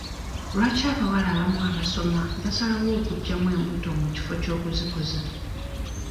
Lwaki abawala abamu abasoma basalawo okuggyamu embuto mu kifo ky'okuzikuza?